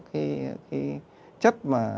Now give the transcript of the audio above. cái chất mà